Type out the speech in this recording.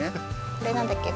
これなんだっけ？